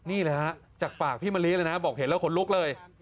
นี่เลยฮะจากปากพี่มะลิเลยนะบอกเห็นแล้วขนลุกเลย